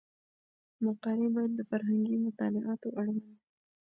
مقالې باید د فرهنګي مطالعاتو اړوند وي.